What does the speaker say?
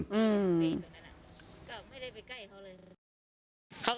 ก็ไม่ได้ไปใกล้เขาเลย